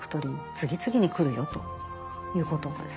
次々に来るよということですね。